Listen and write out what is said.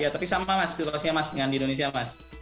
tapi sama mas situasinya mas dengan di indonesia mas